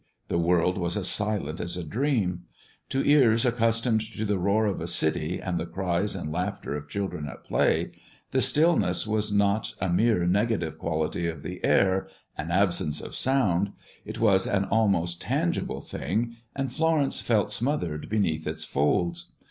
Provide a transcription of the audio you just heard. The world was as silent as a dream. To ears accustomed to the roar of a city and the cries and laughter of children at play, the stillness was not a mere negative quality of the air, an absence of sound, it was an almost tangible thing, and Florence felt smothered beneath its folds.